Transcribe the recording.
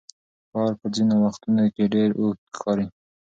کال په ځینو وختونو کې ډېر اوږد ښکاري.